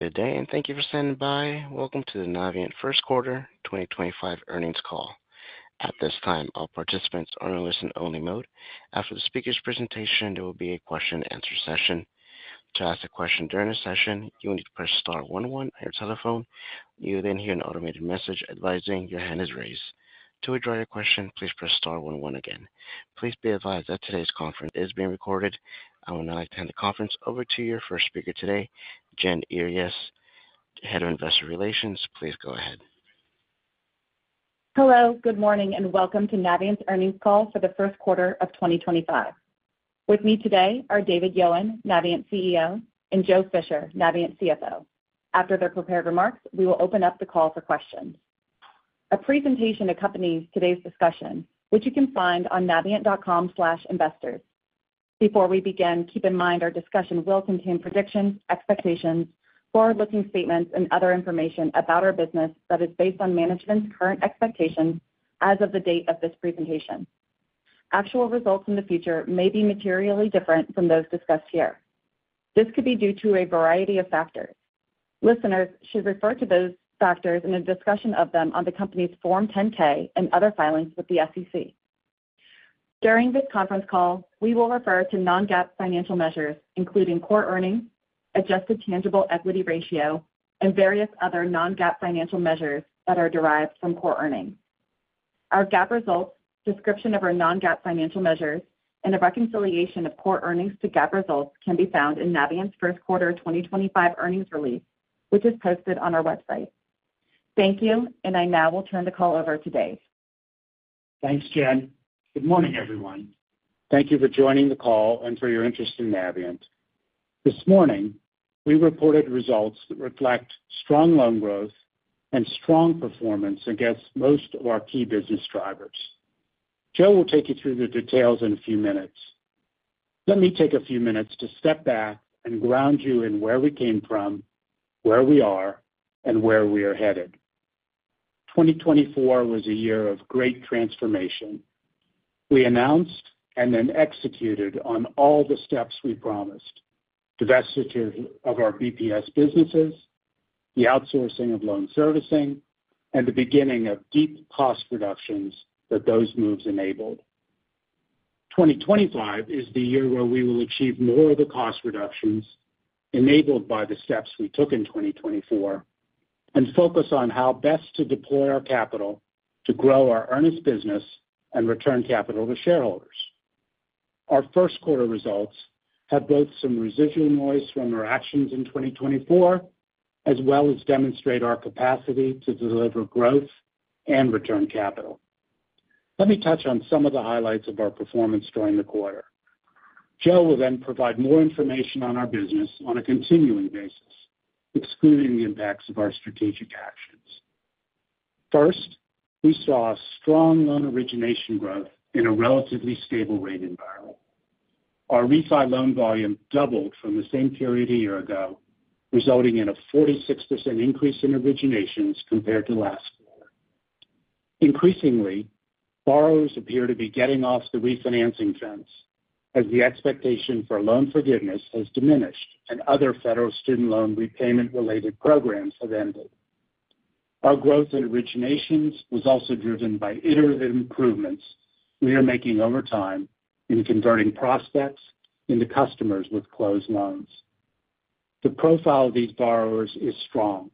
Good day and thank you for standing by. Welcome to the Navient first quarter 2025 earnings call. At this time all participants are in listen only mode. After the speaker's presentation, there will be a question and answer session. To ask a question during a session, you will need to press star one one on your telephone. You will then hear an automated message advising your hand is raised. To withdraw your question, please press star one one again. Please be advised that today's conference is being recorded. I would now like to hand the conference over to your first speaker today, Jen Earyes, Head of Investor Relations. Please go ahead. Hello, good morning and welcome to Navient's earnings call for the first quarter of 2025. With me today are David Yowan, Navient CEO, and Joe Fisher, Navient CFO. After their prepared remarks, we will open up the call for questions. A presentation accompanies today's discussion which you can find on navient.com investors. Before we begin, keep in mind our discussion will contain predictions, expectations, forward looking statements and other information about our business that is based on management's current expectations as of the date of this presentation. Actual results in the future may be materially different from those discussed here. This could be due to a variety of factors. Listeners should refer to those factors in a discussion of them on the company's Form 10-K and other filings with the SEC. During this conference call we will refer to non-GAAP financial measures including core earnings, adjusted tangible equity ratio and various other non-GAAP financial measures that are derived from core earnings. Our GAAP results, description of our non-GAAP financial measures and a reconciliation of core earnings to GAAP results can be found in Navient's first quarter 2025 earnings release which is posted on our website. Thank you and I now will turn the call over to Dave. Thanks Jen. Good morning everyone. Thank you for joining the call and for your interest in Navient. This morning we reported results that reflect strong loan growth and strong performance against most of our key business drivers. Joe will take you through the details in a few minutes. Let me take a few minutes to step back and ground you in where we came from, where we are, and where we are headed. 2024 was a year of great transformation. We announced and then executed on all the steps we promised: divestiture of our BPO businesses, the outsourcing of loan servicing. The beginning of deep cost reductions. Those moves enabled. 2025 is the year where we will achieve more of the cost reductions enabled by the steps we took in 2024 and focus on how best to deploy our capital to grow our Earnest business and return capital to shareholders. Our first quarter results have both some residual noise from our actions in 2024 as well as demonstrate our capacity to deliver growth and return capital. Let me touch on some of the highlights of our performance during the quarter. Joe will then provide more information on our business on a continuing basis excluding the impacts of our strategic actions. First, we saw strong loan origination growth in a relatively stable rate environment. Our refi loan volume doubled from the same period a year ago, resulting in a 46% increase in originations compared to last quarter. Increasingly, borrowers appear to be getting off the refinancing fence as the expectation for loan forgiveness has diminished and other federal student loan repayment related programs have ended. Our growth in originations was also driven by iterative improvements we are making over time in converting prospects into customers with closed loans. The profile of these borrowers is strong.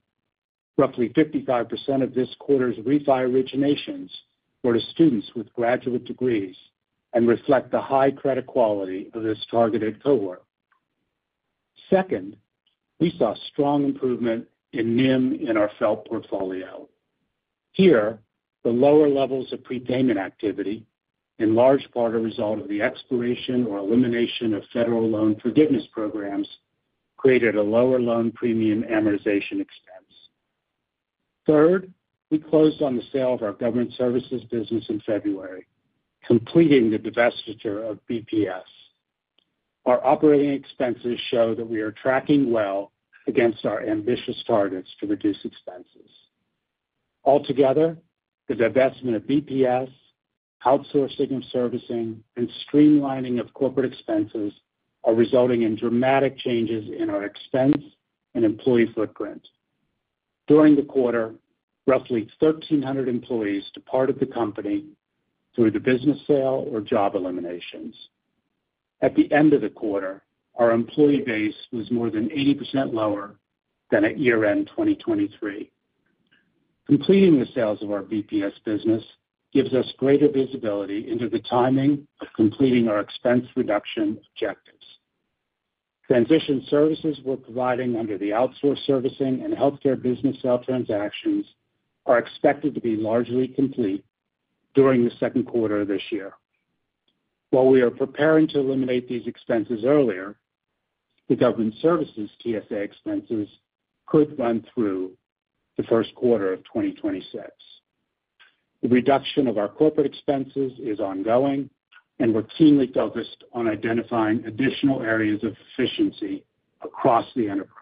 Roughly 55% of this quarter's refi originations were to students with graduate degrees and reflect the high credit quality of this targeted cohort. Second, we saw strong improvement in NIM in our FFELP portfolio here. The lower levels of prepayment activity, in large part a result of the expiration or elimination of federal loan forgiveness programs, created a lower loan premium amortization expense. Third, we closed on the sale of our government services business in February, completing the divestiture of business process outsourcing. Our operating expenses show that we are tracking well against our ambitious targets to reduce expenses altogether. The divestment of business process outsourcing, outsourcing of servicing and streamlining of corporate expenses are resulting in dramatic changes in our expense and employee footprint. During the quarter, roughly 1,300 employees departed the company through the business sale or job eliminations. At the end of the quarter, our employee base was more than 80% lower than at year end 2023. Completing the sales of our business process outsourcing business gives us greater visibility into the timing of completing our expense reduction objectives. Transition services we are providing under the outsourced servicing and health care business sale transactions are expected to be largely complete during the second quarter of this year. While we are preparing to eliminate these expenses earlier, the Government Services Transition Services Agreement expenses could run through the first quarter of 2026. The reduction of our corporate expenses is ongoing and we're keenly focused on identifying additional areas of efficiency across the enterprise.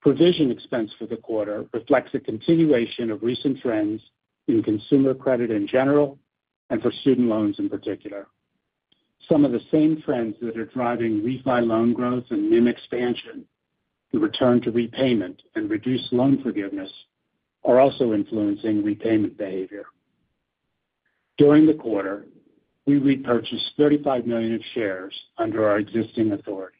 Provision expense for the quarter reflects a. Continuation of recent trends in consumer credit in general and for student loans in particular. Some of the same trends that are. Driving refi loan growth and NIM expansion, the return to repayment and reduced loan forgiveness are also influencing repayment behavior. During the quarter, we repurchased $35 million of shares under our existing authority.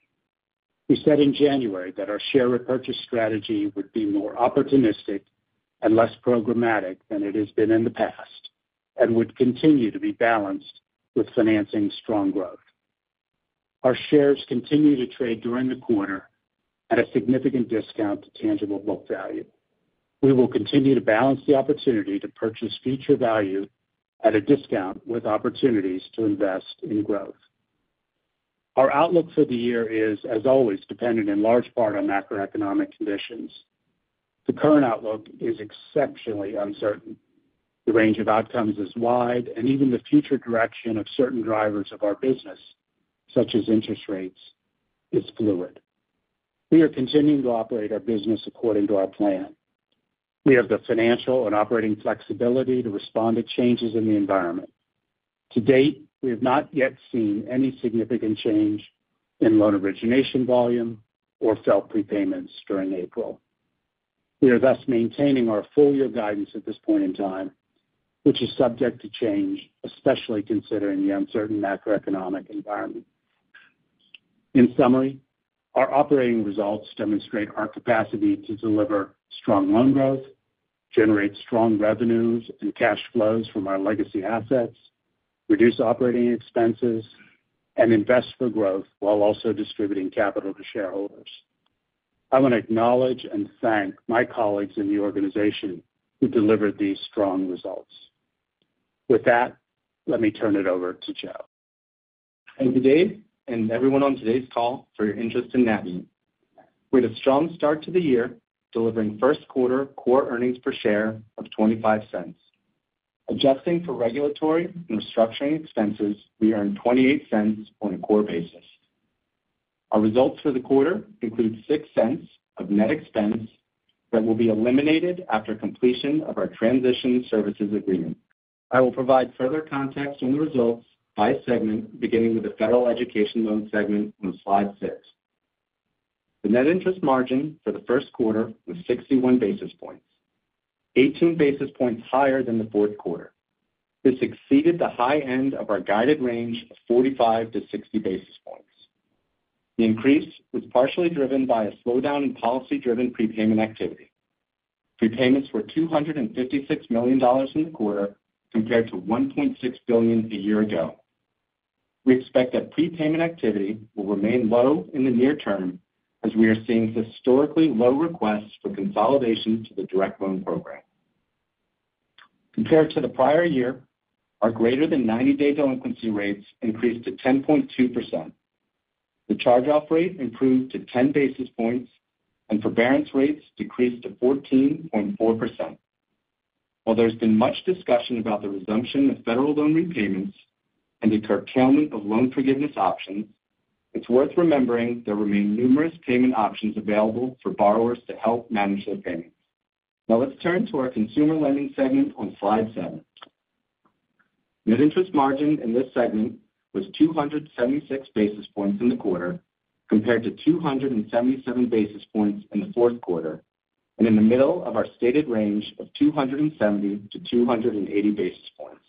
We said in January that our share repurchase strategy would be more opportunistic and less programmatic than it has been in the past and would continue to be balanced with financing strong growth. Our shares continue to trade during the quarter at a significant discount to tangible book value. We will continue to balance the opportunity to purchase future value at a discount with opportunities to invest in growth. Our outlook for the year is as always dependent in large part on macroeconomic conditions. The current outlook is exceptionally uncertain. The range of outcomes is wide and even the future direction of certain drivers of our business such as interest rates, is fluid. We are continuing to operate our business. According to our plan. We have the financial and operating flexibility to respond to changes in the environment. To date, we have not yet seen any significant change in loan origination volume or FFELP prepayments during April. We are thus maintaining our full year guidance at this point in time, which is subject to change, especially considering the uncertain macroeconomic environment. In summary, our operating results demonstrate our capacity to deliver strong loan growth, generate strong revenues and cash flows from our legacy assets, reduce operating expenses and invest for growth while also distributing capital to shareholders. I want to acknowledge and thank my colleagues in the organization who delivered these strong results. With that, let me turn it over to Joe. Thank you Dave and everyone on today's call for your interest in Navient. We had a strong start to the year delivering first quarter core earnings per share of $0.25. Adjusting for regulatory and restructuring expenses, we earned $0.28 on a core basis. Our results for the quarter include $0.06 of net expense that will be eliminated after completion of our Transition Services Agreement. I will provide further context on the results by segment beginning with the Federal Education Loan segment on Slide 6. The net interest margin for the first quarter was 61 basis points, 18 basis points higher than the fourth quarter. This exceeded the high end of our guided range of 45 to 60 basis points. The increase was partially driven by a slowdown in policy driven prepayment activity. Prepayments were $256 million in the quarter compared to $1.6 billion a year ago. We expect that prepayment activity will remain low in the near term as we are seeing historically low requests for consolidation to the Direct Loan program compared to the prior year. Our greater than 90 day delinquency rates increased to 10.2%. The charge-off rate improved to 10 basis points and forbearance rates decreased to 14.4%. While there's been much discussion about the resumption of federal loan repayments and the curtailment of loan forgiveness options, it's worth remembering there remain numerous payment options available for borrowers to help manage their payments. Now let's turn to our consumer lending segment on slide seven. Net interest margin in this segment was 276 basis points in the quarter compared to 277 basis points in the fourth quarter. In the middle of our stated range of 270-280 basis points,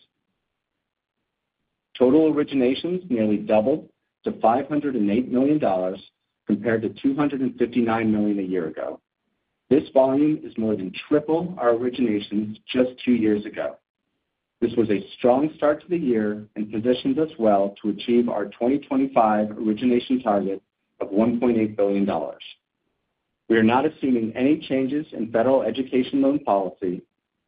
total originations nearly doubled to $508 million compared to $259 million a year ago. This volume is more than triple our originations just two years ago. This was a strong start to the year and positions us well to achieve our 2025 origination target of $1.8 billion. We are not assuming any changes in federal education loan policy,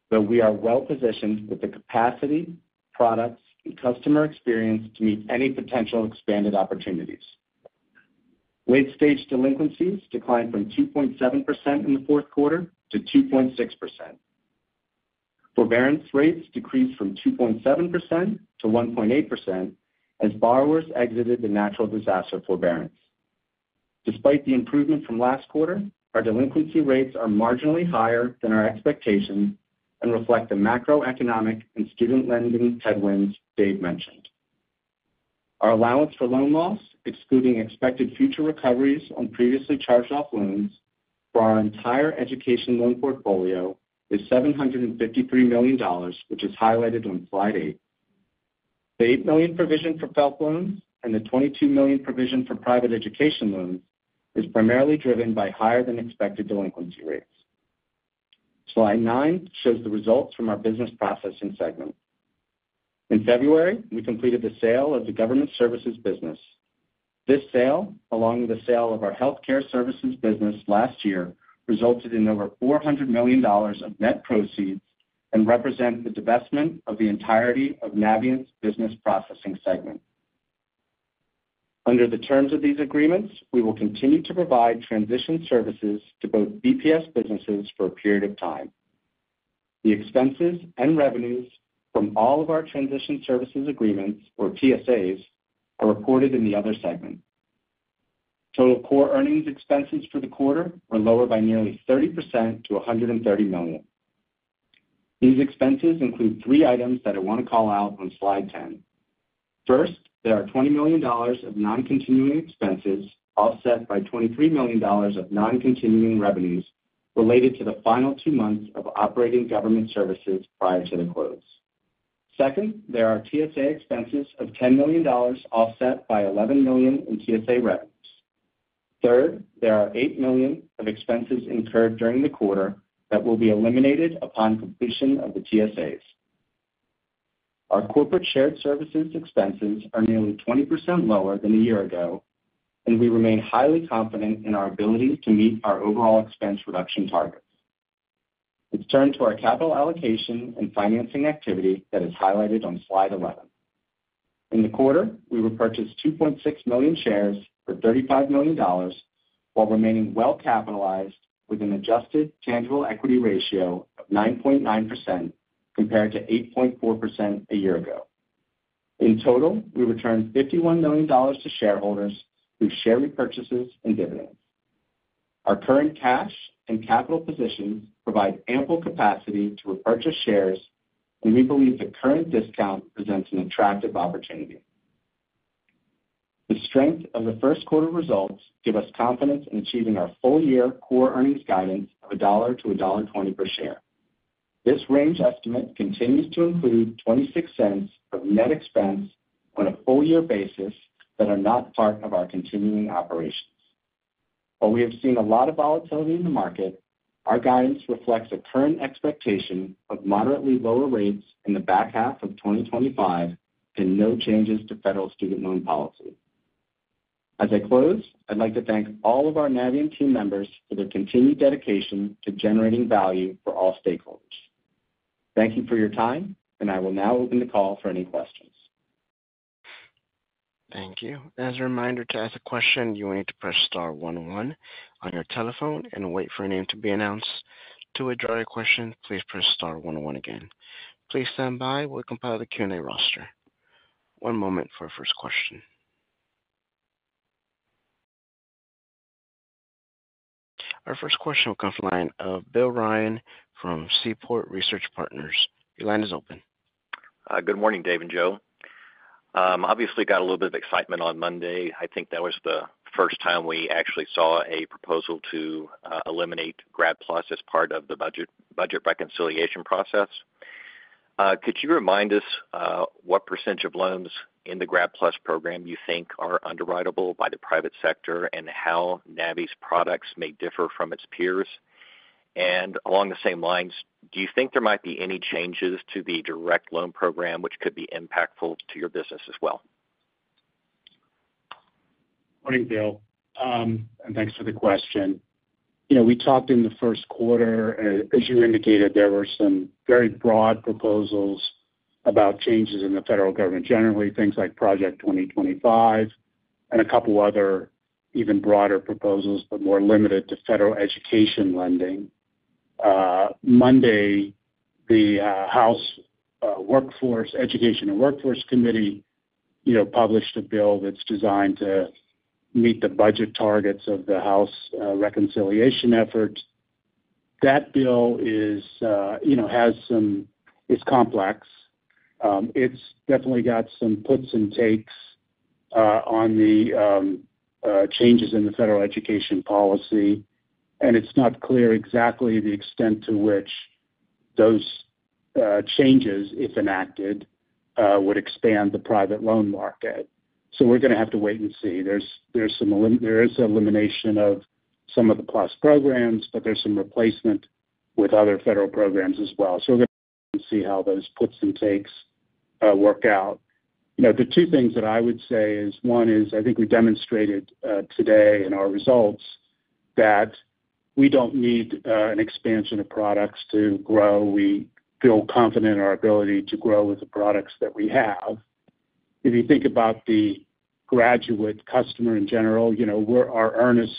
but we are well positioned with the capacity, products and customer experience to meet any potential expanded opportunities. Late stage delinquencies declined from 2.7% in the fourth quarter to 2.6%. Forbearance rates decreased from 2.7% to 1.8% as borrowers exited the natural disaster forbearance. Despite the improvement from last quarter, our delinquency rates are marginally higher than our expectations and reflect the macroeconomic and student lending headwinds Dave mentioned. Our allowance for loan loss, excluding expected future recoveries on previously charged off loans for our entire education loan portfolio, is $753 million, which is highlighted on slide eight. The $8 million provision for FFELP loans and the $22 million provision for private education loans is primarily driven by higher than expected delinquency rates. Slide nine shows the results from our business processing segment. In February we completed the sale of the government services business. This sale, along with the sale of our healthcare services business last year, resulted in over $400 million of net proceeds and represent the divestment of the entirety of Navient's business processing segment. Under the terms of these agreements, we will continue to provide transition services to both BPS businesses for a period of time. The expenses and revenues from all of our Transition Services Agreements or TSAs are reported in the other segment. Total core earnings expenses for the quarter lower by nearly 30% to $130 million. These expenses include three items that I want to call out on slide 10. First, there are $20 million of non continuing expenses offset by $23 million of non continuing revenues related to the final two months of operating government services prior to the close. Second, there are TSA expenses of $10 million offset by $11 million in TSA revenue. Third, there are $8 million of expenses incurred during the quarter that will be eliminated upon completion of the TSAs. Our corporate shared services expenses are nearly 20% lower than a year ago and we remain highly confident in our ability to meet our overall expense reduction targets. Let's turn to our capital allocation and financing activity that is highlighted on slide 11. In the quarter we repurchased 2.6 million shares for $35 million while remaining well capitalized with an adjusted tangible equity ratio of 9.9% compared to 8.4% a year ago. In total, we returned $51 million to shareholders through share repurchases and dividends. Our current cash and capital positions provide ample capacity to repurchase shares and we believe the current discount presents an attractive opportunity. The strength of the first quarter results give us confidence in achieving our full year core earnings guidance of $1.00-$1.20 per share. This range estimate continues to include $0.26 of net expense on a full year basis that are not part of our continuing operations. While we have seen a lot of volatility in the market, our guidance reflects a current expectation of moderately lower rates in the back half of 2025 and no changes to federal student loan policy. As I close, I'd like to thank all of our Navient team members for their continued dedication to generating value for all stakeholders. Thank you for your time and I will now open the call for any questions. Thank you. As a reminder to ask a question, you will need to press star one one on your telephone and wait for a name to be announced. To withdraw your question, please press star one one again. Please stand by. We'll compile the Q and A roster. One moment for first question. Our first question will come from the line of Bill Ryan from Seaport Research Partners. Your line is open. Good morning. Dave and Joe obviously got a little bit of excitement on Monday. I think that was the first time we actually saw a proposal to eliminate Grad PLUS as part of the budget reconciliation process. Could you remind us what percentage of loans in the Grad PLUS program you think are underwritable by the private sector and how Navient's products may differ from its peers? Along the same lines, do you think there might be any changes to the Direct Loan program which could be impactful to your business as well? Morning Bill and thanks for the question. You know, we talked in the first quarter, as you indicated, there were some very broad proposals about changes in the federal government generally, things like Project 2025 and a couple other even broader proposals, but more limited to federal education lending. Monday, the House Education and Workforce Committee, you know, published a bill that's designed to meet the budget targets of the House reconciliation effort. That bill is, you know, is complex. It's definitely got some puts and takes on the changes in the federal education policy. It's not clear exactly the extent to which those changes, if enacted, would expand the private loan market. You know, we are going to have to wait and see. There is elimination of some of the PLUS programs, but there's some replacement with other federal programs as well. We're going to see how those puts and takes work out. The two things that I would say is, one is I think we demonstrated today in our results that we do not need an expansion of products to grow. We feel confident in our ability to grow with the products that we have. If you think about the graduate customer in general, you know, our Earnest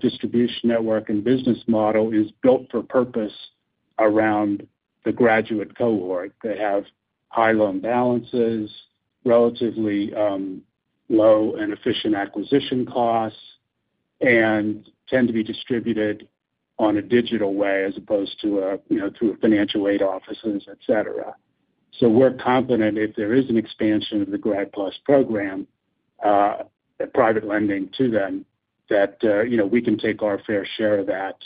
distribution network and business model is built for purpose around the graduate cohort. They have high loan balances, relatively low and efficient acquisition costs, and tend to be distributed in a digital way as opposed to financial aid offices, et cetera. We are confident if there is an expansion of the Grad PLUS program, private lending to them, that we can take our fair share of that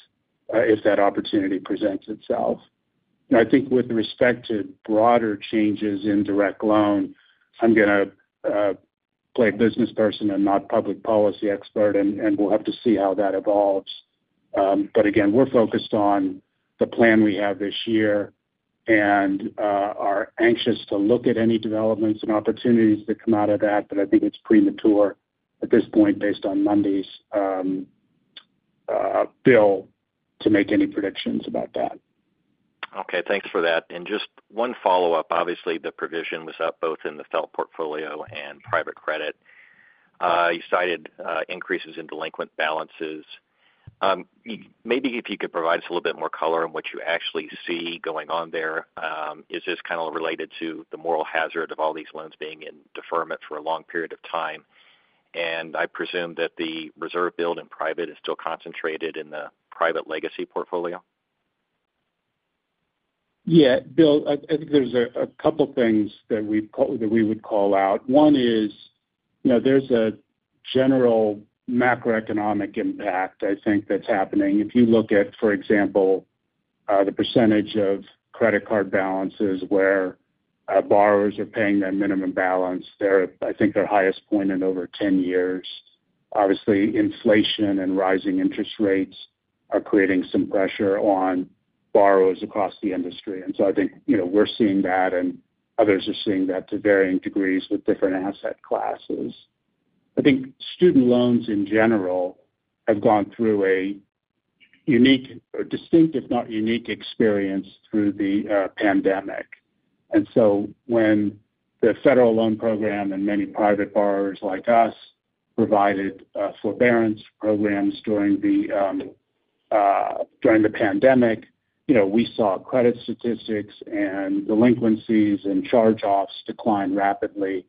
if that opportunity presents itself. I think with respect to broader changes in Direct Loan, I'm going to play business person and not public policy expert, and we'll have to see how that evolves. Again, we're focused on the plan we have this year and are anxious to look at any developments and opportunities that come out of that. I think it's premature at this. Point, based on Monday's bill, to make any predictions about that. Okay, thanks for that. Just one follow up. Obviously the provision was up both in the FFELP portfolio and private credit. You cited increases in delinquent balances. Maybe if you could provide us a little bit more color on what you actually see going on there. Is this kind of related to the moral hazard of all these loans being in deferment for a long period of time, and I presume that the reserve build in private is still concentrated in the private legacy portfolio. Yeah, Bill, I think there's a couple things that we would call out. One is there's a general macroeconomic impact. I think that's happening. If you look at, for example, the percentage of credit card balances where borrowers are paying their minimum balance, they're, I think, their highest point in over 10 years. Obviously inflation and rising interest rates are creating some pressure on borrowers across the industry. I think, you know, we're seeing that and others are seeing that to varying degrees with different asset classes. I think student loans in general have gone through a unique or distinct, if not unique, experience through the pandemic. When the federal loan program and many private borrowers like us provided forbearance programs during the, during the pandemic, you know, we saw credit statistics and delinquencies and charge offs decline rapidly,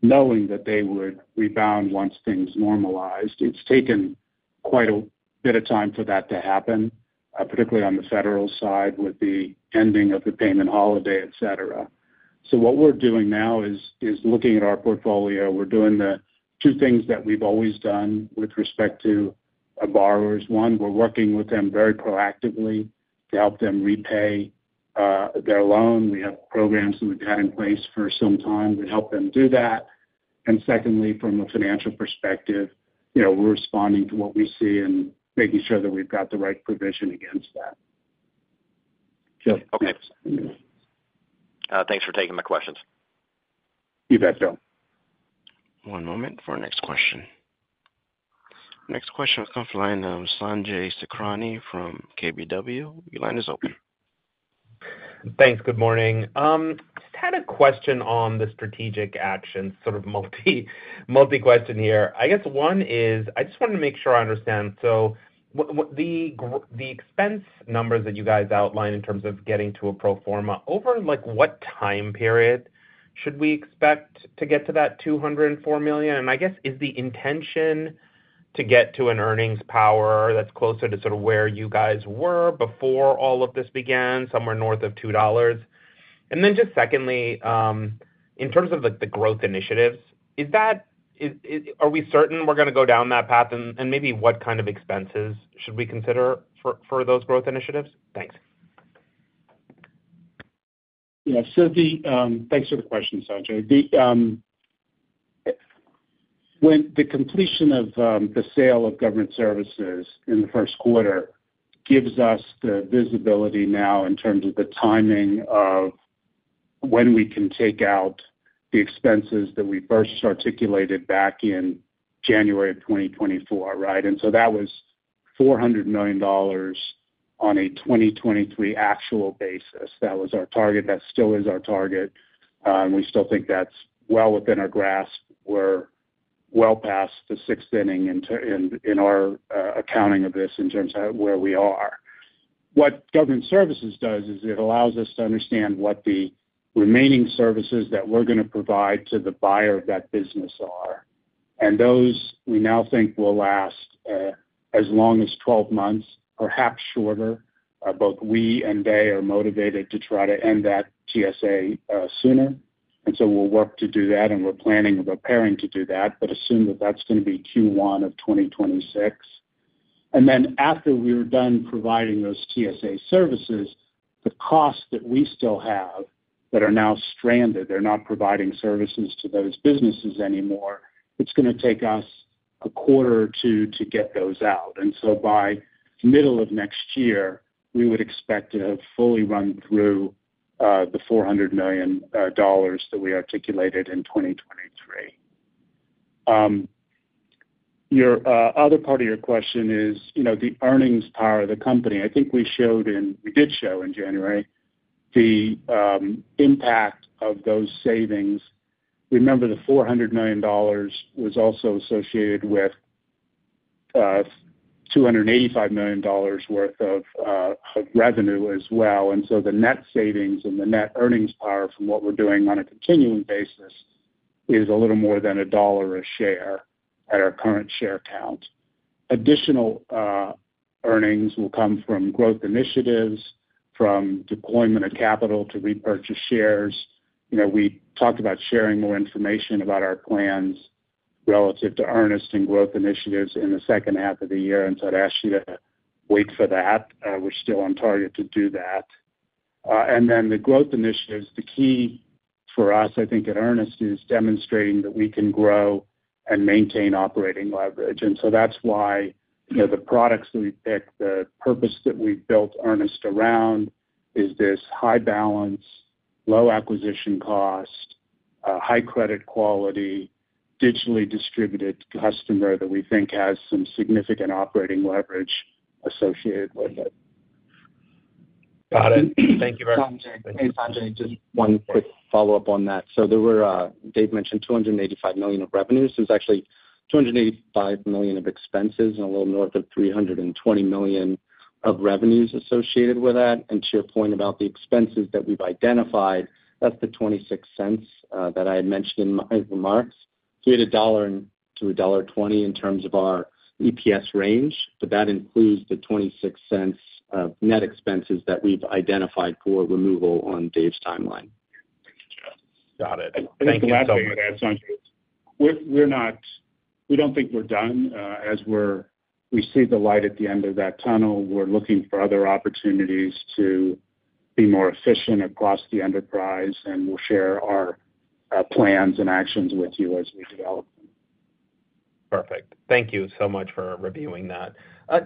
knowing that they would rebound once things normalized. It has taken quite a bit of time for that to happen, particularly on the federal side with the ending of the payment holiday, et cetera. What we are doing now is looking at our portfolio. We are doing the two things that we have always done with respect to borrowers. One, we are working with them very proactively to help them repay their loan. We have programs that we have had in place for some time that help them do that. Secondly, from a financial perspective, you. Know, we're responding to what we see. Making sure that we've got the. Right provision against that. Okay, thanks for taking my questions. You bet, though. One moment for next question. Next question comes Sanjay Sakhrani from KBW. Your line is open. Thanks. Good morning. Just had a question on the strategic action, sort of multi question here. I guess one is I just wanted to make sure. I understand. The expense numbers that you guys outline in terms of getting to a pro forma over like what time period. Should we expect to get to that? $204 million and I guess is the intention to get to an earnings power that's closer to where you guys were before all of this began, somewhere north of $2. Secondly, in terms of the growth initiatives, are we certain we're going to go down that path? Maybe what kind of expenses should we consider for those growth initiatives? Thanks. Yeah, so the. Thanks for the question, Sanjay. When the completion of the sale of government services in the first quarter gives us the visibility now in terms of the timing of when we can take out the expenses that we first articulated back in January of 2024. Right. That was $400 million on a 2023 actual basis. That was our target. That still is our target and we still think that's well within our grasp. We're well past the sixth inning in our accounting of this in terms of where we are. What Government Services does is it allows us to understand what the remaining services that we're going to provide to the buyer of that business are, and those we now think will last as long as 12 months, perhaps shorter. Both we and they are motivated to try to end that TSA sooner. We'll work to do that. We're planning and preparing to do that. Assume that that's going to be Q1 of 2026. After we are done providing those TSA services, the cost that we still have, that are now stranded, they're not providing services to those businesses anymore. It's going to take us a quarter or two to get those out. By middle of next year. We would expect to have fully run. Through the $400 million that we articulated in 2023. Your other part of your question is the earnings power of the company. I think we showed, we did show in January the impact of those savings. Remember, the $400 million was also associated. With. $285 million worth of revenue as well. The net savings and the net earnings power from what we're doing on a continuing basis is a little more than a dollar a share at our current share count. Additional earnings will come from growth initiatives, from deployment of capital to repurchase shares. We talked about sharing more information about our plans relative to Earnest and growth initiatives in the second half of the year. I would ask you to wait for that. We're still on target to do that. The growth initiatives, the key for us, I think, at Earnest is demonstrating that we can grow and maintain operating leverage. That is why the products that we pick, the purpose that we built Earnest around is this high balance, low acquisition cost, high credit quality, digitally distributed customer that we think has some significant operating leverage associated with it. Got it. Thank you very much. Just one quick follow up on that. There were, Dave mentioned $285 million of revenue. It is actually $285 million of expenses and a little north of $320 million of revenues associated with that. To your point about the expenses that we've identified, that's the $0.26 that I had mentioned in my remarks. We had $1-$1.20 in terms of our EPS range, but that includes the $0.26 of net expenses that we've identified for removal on Dave's timeline. Got it. The last thing I'd add, Sanjay, we're not. We don't think we're done as we see the light at the end of that tunnel. We're looking for other opportunities to be more efficient across the enterprise and we'll share our plans and actions with you as we develop them. Perfect. Thank you so much for reviewing that.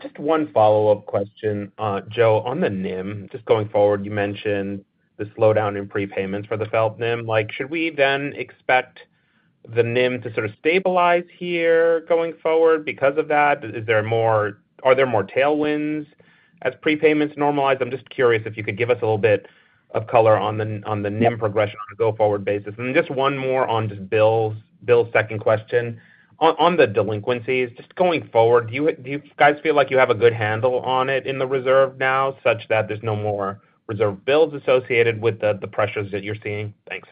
Just one follow up question, Joe. On the NIM just going forward, you mentioned the slowdown in prepayments for the FFELP NIM. Like should we then expect the NIM to sort of stabilize here going forward because of that? Is there more, are there more tailwinds as prepayments normalize? I'm just curious if you could give us a little bit of color on the NIM progression on a go forward basis. Just one more on just Bill's second question on the delinquencies. Just going forward, do you guys feel like you have a good handle on it in the reserve now such that there's no more reserve builds associated with the pressures that you're seeing? Thanks.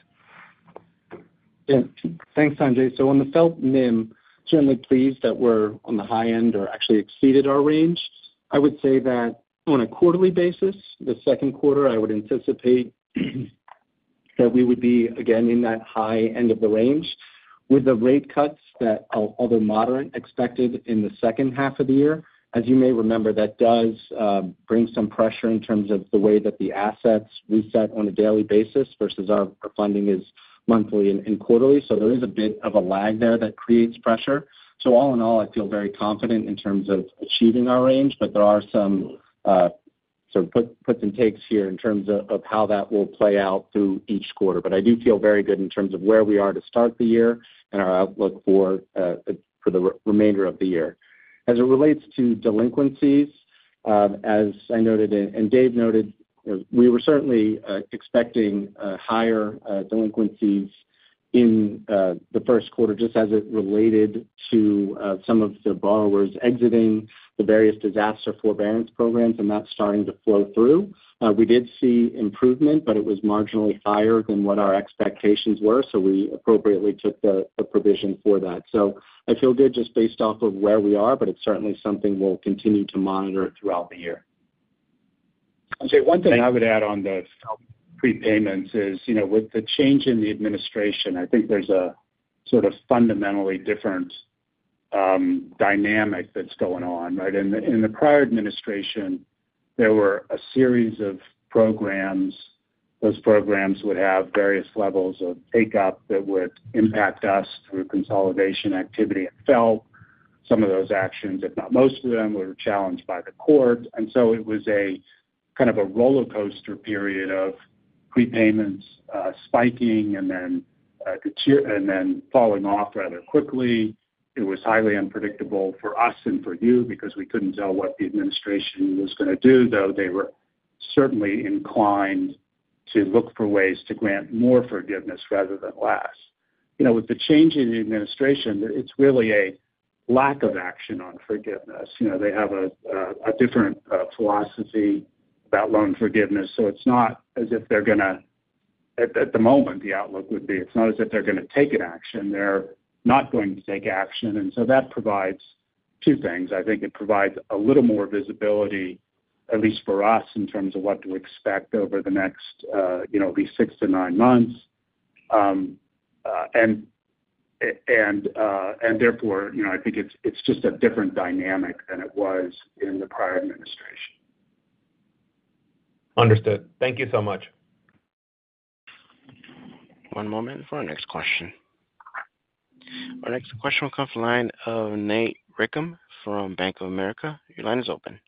Thanks, Sanjay. On the FFELP NIM, certainly pleased that we're on the high end or actually exceeded our range. I would say that on a quarterly basis, the second quarter, I would anticipate that we would be again in that high end of the range with the rate cuts that are moderate, expected in the second half of the year. As you may remember, that does bring some pressure in terms of the way that the assets reset on a daily basis versus our funding is monthly and quarterly. There is a bit of a lag there that creates pressure. All in all, I feel very confident in terms of achieving our range. There are some puts and takes here in terms of how that will play out through each quarter. I do feel very good in terms of where we are to start the year and our outlook for the remainder of the year as it relates to delinquencies. As I noted and Dave noted, we were certainly expecting higher delinquencies in the first quarter just as it related to some of the borrowers exiting the various disaster forbearance programs. That is starting to flow through. We did see improvement, but it was marginally higher than what our expectations were. We appropriately took the provision for that. I feel good just based off of where we are, but it is certainly something we will continue to monitor throughout the year. I'll say one thing I would add on this prepayments is, you know, with the change in the administration, I think there's a sort of fundamentally different dynamic that's going on. Right. In the prior administration there were a series of programs. Those programs would have various levels of take up that would impact us through consolidation activity at FFELP. Some of those actions, if not most of them, were challenged by the court. It was a kind of a roller coaster period of prepayments spiking and then falling off rather quickly. It was highly unpredictable for us and for you because we couldn't tell what. The administration was going to do. Though they were certainly inclined to look for ways to grant more forgiveness rather than less. You know, with the change in the. Administration, it's really a lack of action on forgiveness. You know, they have a different philosophy about loan forgiveness. It's not as if they're going to at the moment, the outlook would be. It's not as if they're going to take an action. They're not going to take action. That provides two things. I think it provides a little more visibility at least for us in terms of what to expect over the next six to nine months. Therefore I think it's just a different dynamic than it was in the prior administration. Understood. Thank you so much. One moment for our next question. Our next question will come from the line of Nate Richam from Bank of America. Your line is open.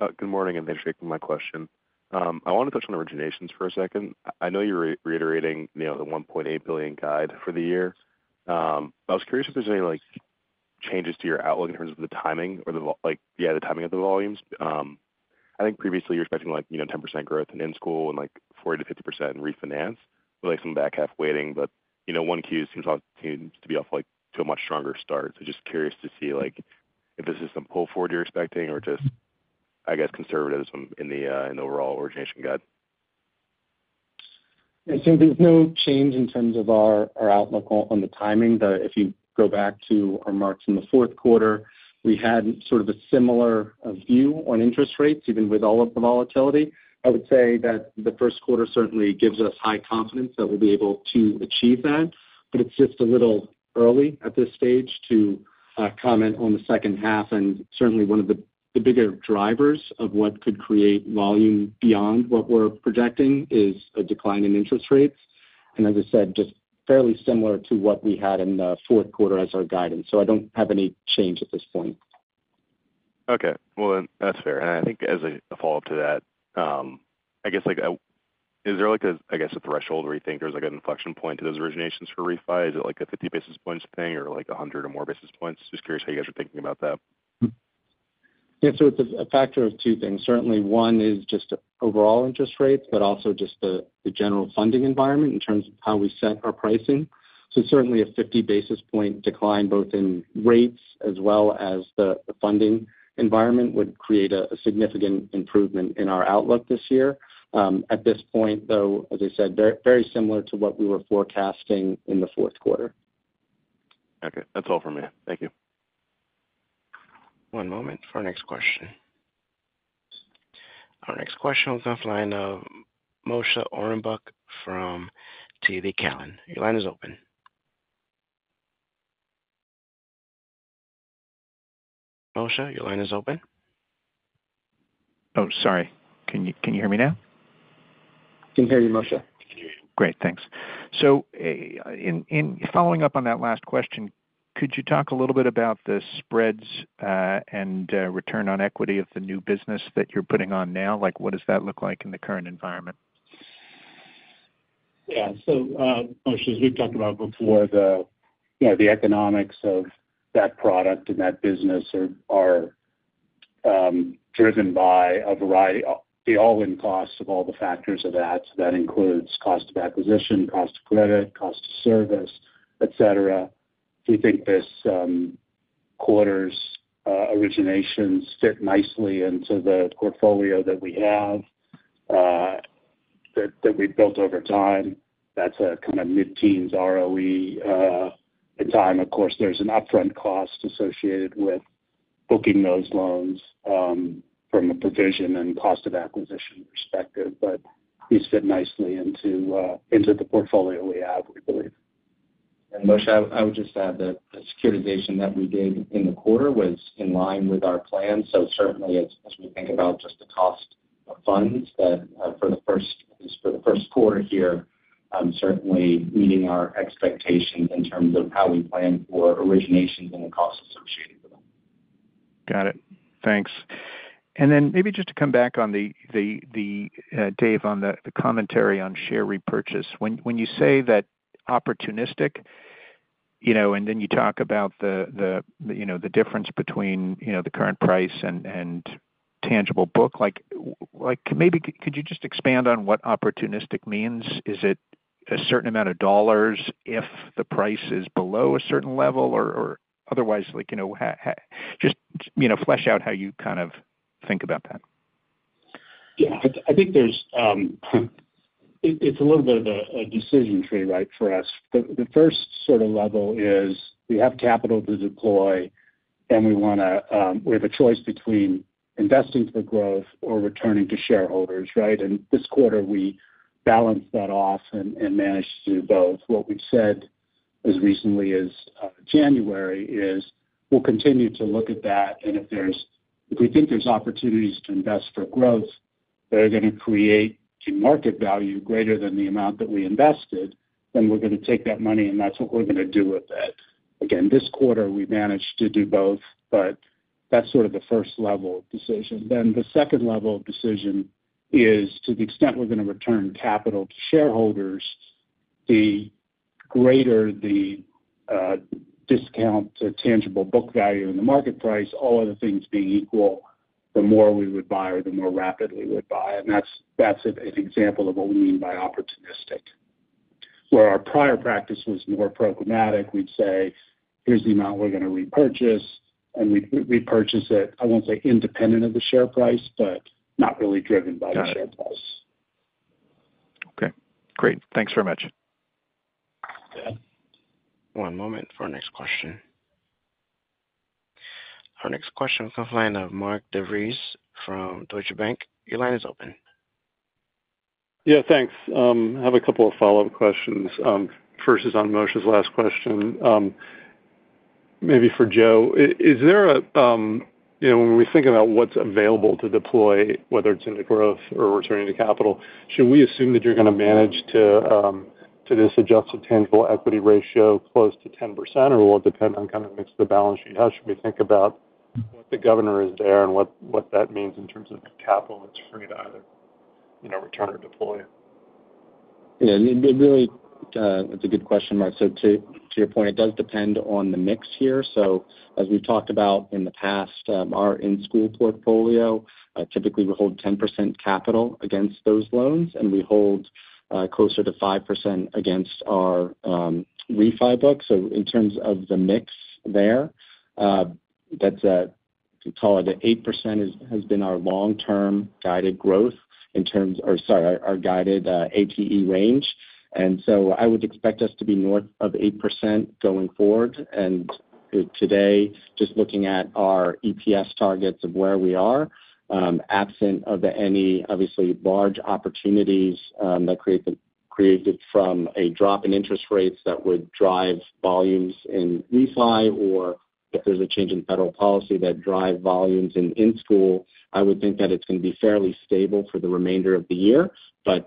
Good morning. Nate, my question, I want to touch on originations for a second. I know you're reiterating, you know, the $1.8 billion guide for the year. I was curious if there's any like changes to your outlook in terms of the timing or the like. Yeah, the timing of the volumes. I think previously you're expecting like, you know, 10% growth in in-school and like 40%-50% in refinance with like some back half waiting. You know, 1Q seems to be off like to a much stronger start. Just curious to see like if. This is some pull forward you're expecting or just I guess conservatism in the overall origination guide. There's no change in terms of our outlook on the timing. If you go back to our marks. In the fourth quarter we had sort of a similar view on interest rates. Even with all of the volatility. I would say that the first quarter certainly gives us high confidence that we'll be able to achieve that. It is just a little early at this stage to comment on the second half. Certainly one of the bigger drivers of what could create volume beyond what we're projecting is a decline in interest rates and as I said just fairly similar to what we had in the fourth quarter as our guidance. I do not have any change at this point. Okay, that's fair. I think as a follow up to that, I guess like, is there like a, I guess a threshold where you think there's like an inflection point to those originations for refi. Is it like a 50 basis points thing or like 100 or more basis points? Just curious how you guys are thinking about that. Yeah, so it's a factor of two things, certainly. One is just overall interest rates, but also just the general funding environment in terms of how we set our pricing. Certainly a 50 basis point decline both in rates as well as the funding environment would create a significant improvement in our outlook this year. At this point though, as I said, very similar to what we were forecasting in the fourth quarter. Okay, that's all from me. Thank you. One moment for our next question. Our next question was offline of Moshe Orenbuch from TD Cowen. Your line is open. Moshe, your line is open. Oh, sorry. Can you hear me now? Can hear you, Moshe. Great, thanks. In following up on that last. Question, could you talk a little bit. About the spreads and return on equity. Of the new business that you're putting on now? Like what does that look like in the current environment? Yeah. So Moshe, as we've talked about before, the economics of that product and that business are driven by a variety, the all-in costs of all the factors of that. That includes cost of acquisition, cost of credit, cost of service, et cetera. We think this quarter's originations fit nicely into the portfolio that we have that we've built over time. That's a kind of mid-teens ROE time. Of course there's an upfront cost associated with booking those loans from a provision and cost of acquisition perspective. But these fit nicely into the portfolio we have, we believe. Moshe, I would just add the securitization that we did in the quarter was in line with our plan. Certainly as we think about just. The cost of funds that for the. First quarter here, certainly meeting our expectations in terms of how we plan for. Originations and the costs associated with them. Got it, thanks. Maybe just to come back. On Dave on the commentary on share. Repurchase, when you say that opportunistic and. You talk about the difference between. The current price and tangible book, maybe could you just expand on what opportunistic means? Is it a certain amount of dollars? If the price is below a certain level or otherwise? Just flesh out how you think about that. Yeah, I think there's, it's a little bit of a decision tree. Right. For us, the first sort of level. Is we have capital to deploy and we want to, we have a choice between investing for growth or returning to shareholders. Right. This quarter we balanced that off and managed to do both. What we've said as recently as January is we'll continue to look at that and if we think there's opportunities to invest for growth that are going to create a market value greater than the amount that we invested, then we're going to take that money and that's what we're going to do with it. Again this quarter we managed to do both, but that's sort of the first level decision. The second level of decision is to the extent we're going to return capital to shareholders, the greater the discount tangible book value in the market price, all other things being equal, the more we would buy or the more rapidly we would buy. That's an example of what we mean by opportunistic where our prior practice was more programmatic. We'd say here's the amount we're going to repurchase and we repurchase it. I won't say independent of the share price, but not really driven by the share price. Okay, great. Thanks very much. One moment for our next question. Our next question comes in line of Mark DeVries from Deutsche Bank. Your line is open. Yeah, thanks. I have a couple of follow up questions. First is on Moshe's last question. Maybe for Joe. Is there a, you know, when we think about what's available to deploy, whether it's into growth or returning to capital, should we assume that you're going to manage to this adjusted tangible equity ratio close to 10% or will it depend. On kind of mix of the balance sheet? How should we think about what the governor is there and what that means in terms of capital that's free to either return or deploy? That's a good question, Mark. To your point, it does depend on the mix here. As we talked about in the past, our in school portfolio, typically we hold 10% capital against those loans and we hold closer to 5% against our refi book. In terms of the mix there, that's, call it, 8% has been our long term guided growth in terms, or sorry, our guided 8% range. I would expect us to be north of 8% going forward. Today, just looking at our EPS targets of where we are, absent of any obviously large opportunities that are created from a drop in interest rates that would drive volumes in refi, or if there's a change in federal policy that drives volumes in school, I would think that it's going to be fairly stable for the remainder of the year.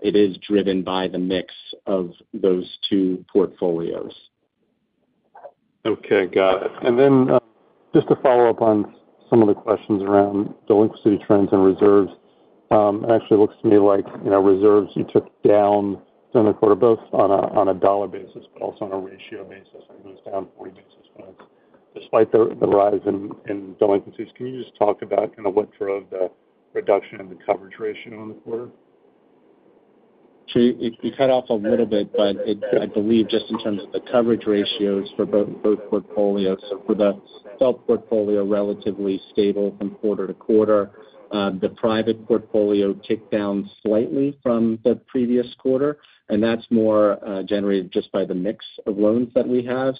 It is driven by the mix. Of those two portfolios. Okay, got it. Just to follow up on some of the questions around delinquency trends. Reserves, it actually looks to me like reserves you took down during the quarter both on a dollar basis but also on a ratio basis. It was down 40 basis points despite. The rise in delinquencies. Can you just talk about kind of what drove the reduction in the coverage ratio in the quarter you cut off? A little bit, but I believe just in terms of the coverage ratios for both portfolios. For the self portfolio, relatively stable. From quarter to quarter, the private portfolio ticked down slightly from the previous quarter and that's more generated just by the mix of loans that we have.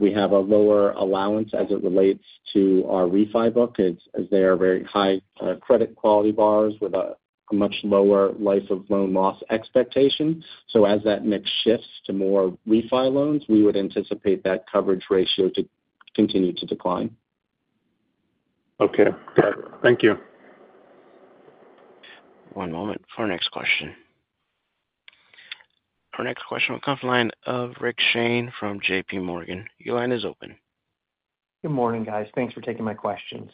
We have a lower allowance as it relates to our refi book as they are very high credit quality borrowers with a much lower life of loan loss expectation. As that mix shifts to more refi loans, we would anticipate that coverage ratio to continue to decline. Okay, thank you. One moment for our next question. Our next question will come from line of Rick Shane from JPMorgan. Your line is open. Good morning guys. Thanks for taking my questions.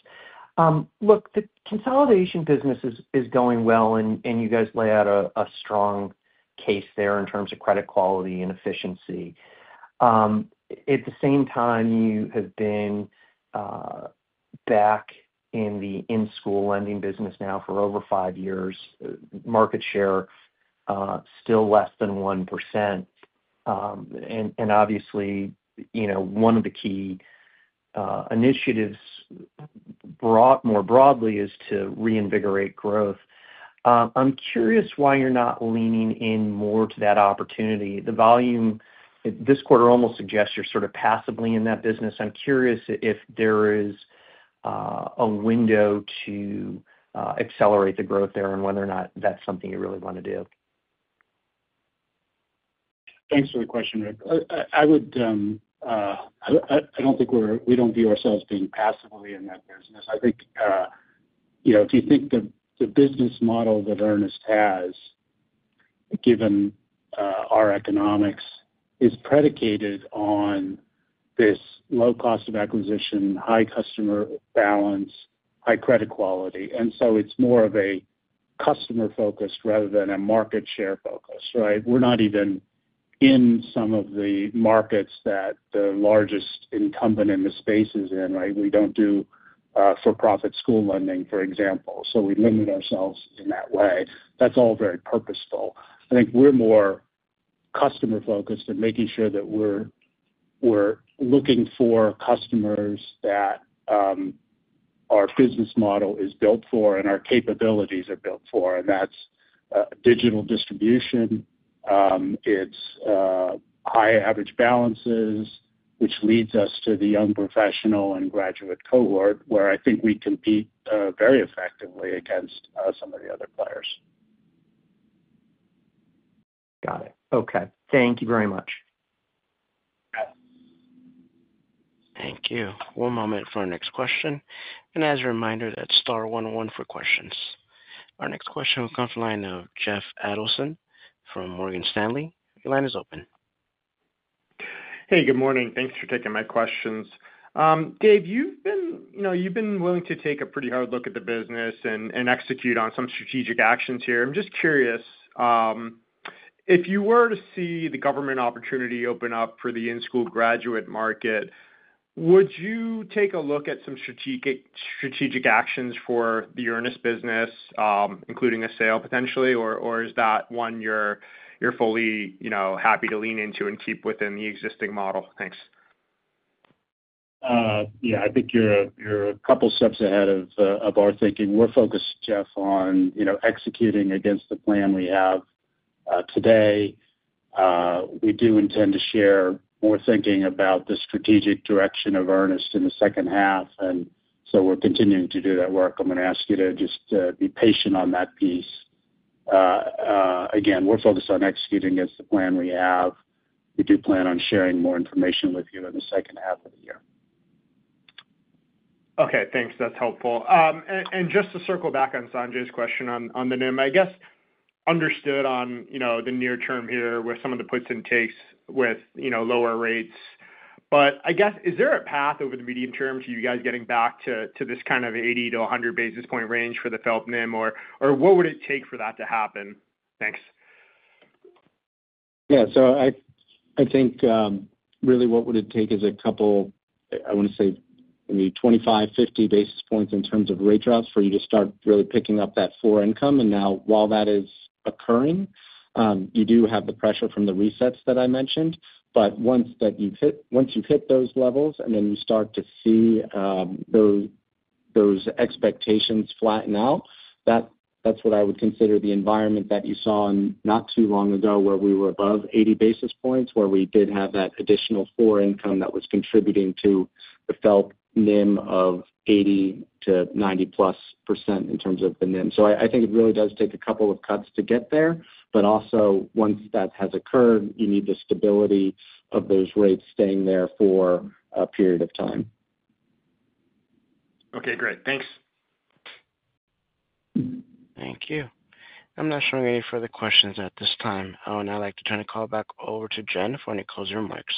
Look, the consolidation business is going well and you guys lay out a strong case there in terms of credit quality and efficiency at the same time. You have been back in the in school lending business now for over five years. Market share still less than 1%. And obviously one of the key initiatives more broadly is to reinvigorate growth. I'm curious why you're not leaning in more to that opportunity. The volume this quarter almost suggests you're sort of passively in that business. I'm curious if there is a window to accelerate the growth there and whether or not that's something you really want to do. Thanks for the question, Rick. I would. I don't think we're. We don't view ourselves being passively in that business. I think, you know, if you think the business model that Earnest has given our economics is predicated on this low cost of acquisition, high customer balance, high credit quality, and so it's more of a customer focused rather than a market share focus. Right. We're not even in some of the markets that the largest incumbent in the space is in. Right. We don't do for profit school lending, for example, so we limit ourselves in that way. That's all very purposeful. I think we're more customer focused and making sure that we're looking for customers that our business model is built for and our capabilities are built for. That's digital distribution. It's high average balances, which leads us to the young professional and graduate cohort where I think we compete very effectively against some of the other players. Got it. Okay, thank you very much. Thank you. One moment for our next question. As a reminder, that's star one one for questions. Our next question will come from the line of Jeff Adelson from Morgan Stanley. Your line is open. Hey, good morning. Thanks for taking my questions. Dave, you've been willing to take a. Pretty hard look at the business and execute on some strategic actions here. I'm just curious, if you were to. See the government opportunity open up for. The in school graduate market, would you? Take a look at some strategic actions for the Earnest business, including a sale potentially, or is that one you're fully happy to lean into and keep within the existing model? Thanks. Yeah, I think you're a couple steps ahead of our thinking. We're focused, Jeff, on executing against the plan we have today. We do intend to share more thinking about the strategic direction of Earnest in the second half and so we're continuing to do that work. I'm going to ask you to just be patient on that piece. Again, we're focused on executing against the plan we have. We do plan on sharing more information with you in the second half of the year. Okay, thanks. That's helpful. Just to circle back on Sanjay's question on the NIM, I guess understood on the near term here with some of the puts and takes with lower rates. I guess is there a path. Over the medium term to you guys getting back to this kind of 80 to 100 basis point range for the. FFELP NIM or what would it take. For that to happen. Thanks. Yeah, I think really what would. It take is a couple, I want. To say 25, 50 basis points in terms of rate drops for you to start really picking up that for income. Now while that is occurring, you do have the pressure from the resets that I mentioned. Once you hit those levels and then you start to see those expectations flatten out, that's what I would consider the environment that you saw not too long ago where we were above 80 basis points, where we did have that additional for income that was contributing to the FFELP NIM of 80%-90%+ in terms of the NIM. I think it really does take a couple of cuts to get there. Also, one thing that has occurred. You need the stability of those rates staying there for a period of time. Okay, great. Thanks. Thank you. I'm not showing any further questions at this time. I would now like to turn the call back over to Jen for any closing remarks.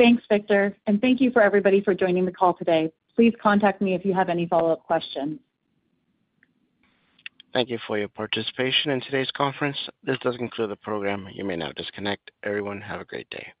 Thank you, Victor. Thank you everybody for joining the call today. Please contact me if you have any follow up questions. Thank you for your participation in today's conference. This does conclude the program. You may now disconnect, everyone. Have a great day.